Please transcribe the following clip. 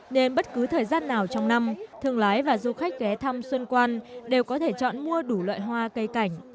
nên bất cứ thời gian nào trong năm thương lái và du khách ghé thăm xuân quan đều có thể chọn mua đủ loại hoa cây cảnh